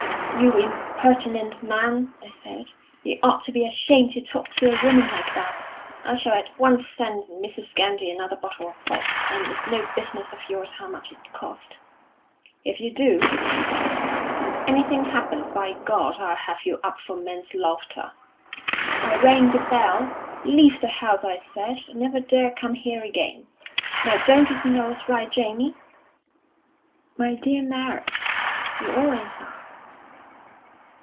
"'You impertinent man!' I said. 'You ought to be ashamed to talk to a woman like that. I shall at once send Mrs. Gandy another bottle of port, and it's no business of yours how much it cost.' 'If you do,' he said, 'and anything happens, by God, I'll have you up for manslaughter.' I rang the bell. 'Leave the house,' I said, 'and never dare come here again!' Now don't you think I was right, Jamie?" "My dear Mary, you always are!"